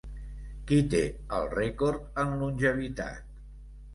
Qui té el rècord en longevitat?